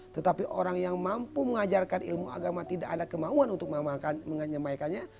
tetapi orang yang mampu mengajarkan ilmu agama tidak ada kemauan untuk menyampaikannya